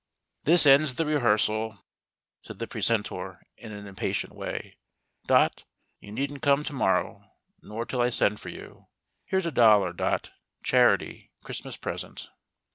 " This ends the rehearsal," said the precentor in an impatient way. " Dot, you needn't come to morrow, nor till I send for you. Here's a dollar. Dot — charit) — Christmas present."